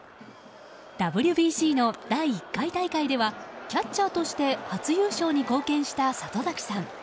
ＷＢＣの第１回大会ではキャッチャーとして初優勝に貢献した里崎さん。